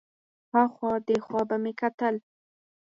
ها خوا دې خوا به مې کتل.